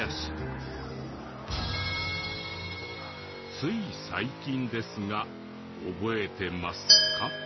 つい最近ですが覚えてますか？